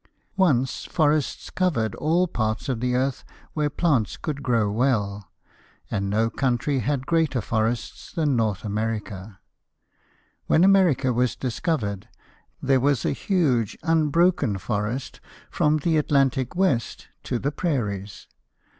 Once forests covered all parts of the earth where plants could grow well, and no country had greater forests than North America. When America was discovered, there was a huge, unbroken forest from the Atlantic west to the prairies.